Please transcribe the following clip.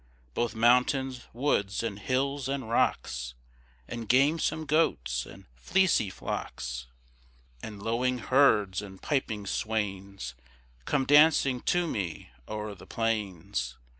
Both mountains, woods, and hills, and rocks And gamesome goats, and fleecy flocks, And lowing herds, and piping swains, Come dancing to me o'er the plains.